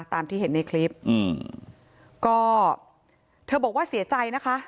ตามที่เห็นในคลิปอืมก็เธอบอกว่าเสียใจนะคะ